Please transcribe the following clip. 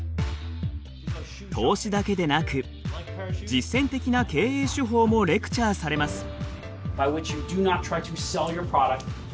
投資だけでなく実践的な経営手法もレクチャーされます。